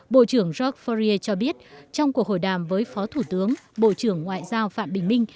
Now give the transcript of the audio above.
bộ trưởng georg foria cho biết trong cuộc hội đàm với phó thủ tướng bộ trưởng ngoại giao phạm bình minh